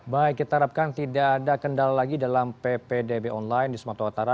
baik kita harapkan tidak ada kendala lagi dalam ppdb online di sumatera utara